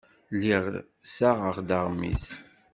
Lliɣ ssaɣeɣ-d aɣmis.